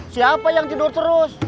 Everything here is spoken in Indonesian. siapa yang tidur terus